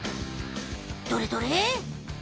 どれどれ？